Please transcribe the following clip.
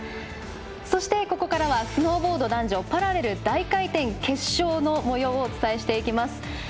そして、ここからはスノーボード男女パラレル大回転決勝のもようをお伝えしていきます。